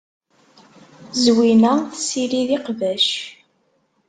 Zwina tessirid iqbac.